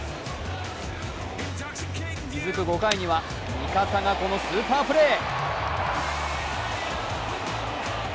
続く５回には味方がこのスーパープレー。